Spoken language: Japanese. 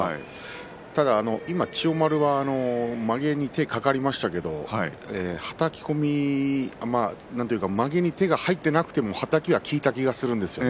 ただ今、千代丸はまげに手が掛かりましたけれどもまげに手が入ってなくてもはたきは効いた気がするんですよね。